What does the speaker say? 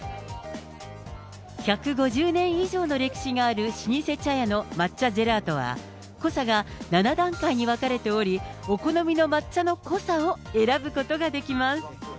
１５０年以上の歴史がある老舗茶屋の抹茶ジェラートは、濃さが７段階に分かれており、お好みの抹茶の濃さを選ぶことができます。